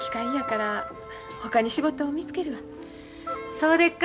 そうでっか。